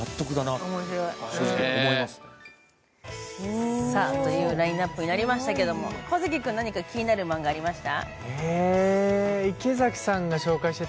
というラインナップになりましたけど、小関君、何か気になるのありました？